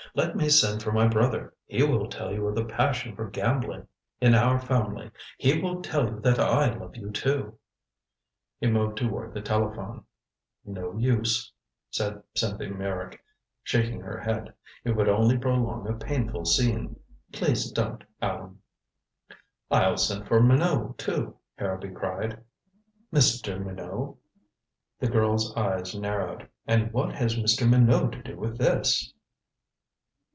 Let me send for my brother he will tell you of the passion for gambling in our family he will tell you that I love you, too " He moved toward the telephone. "No use," said Cynthia Meyrick, shaking her head. "It would only prolong a painful scene. Please don't, Allan." "I'll send for Minot, too," Harrowby cried. "Mr. Minot?" The girl's eyes narrowed. "And what has Mr. Minot to do with this?"